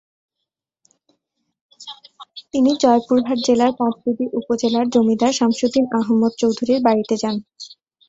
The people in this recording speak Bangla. তিনি জয়পুরহাট জেলার পাঁচবিবি উপজেলার জমিদার শামসুদ্দিন আহম্মদ চৌধুরীর বাড়িতে যান।